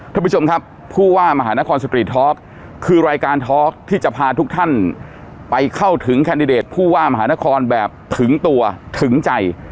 ท่านผู้ชมครับผู้ว่ามหานครสตรีทอล์กคือรายการทอล์กที่จะพาทุกท่านไปเข้าถึงแคนดิเดตผู้ว่ามหานครแบบถึงตัวถึงใจ